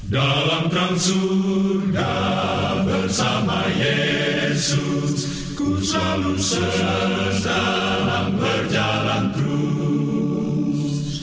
dalam perang surga bersama yesus ku selalu sedang berjalan terus